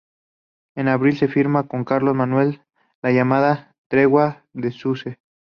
En abril se firma con Carlos Manuel la llamada "tregua de Suse".